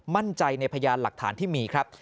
มั่นใจในพยานหลักฐานที่มีครับ